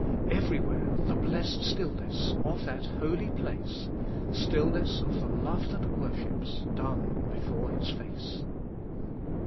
Everywhere, the blessed stillness Of that Holy Place; Stillness of the love that worships, Dumb before His face.